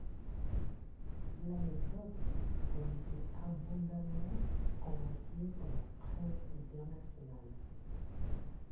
L'anecdote a été abondamment commentée dans la presse internationale.